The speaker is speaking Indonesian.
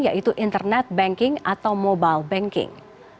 yaitu internet banking atau mobile banking